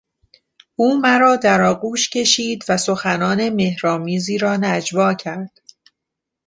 او مرا در آغوش کشید و سخنان مهرآمیزی را نجوا کرد.